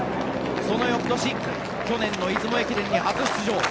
その翌年去年の出雲駅伝に初出場。